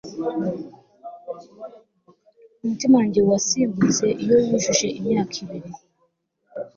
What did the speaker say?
umutima wanjye wasimbutse iyo wujuje imyaka ibiri